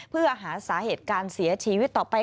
เพื่อหาสาเหตุการเสียชีวิตต่อไป